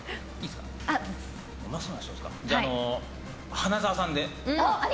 花澤さんで。